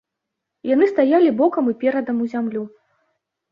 Яны стаялі бокам і перадам у зямлю.